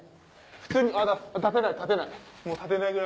普通にアタ立てない立てない。